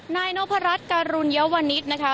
นายนพรรษการุญาวณิศนะคะ